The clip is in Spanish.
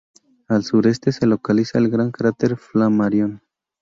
Al Sureste se localiza el gran cráter Flammarion.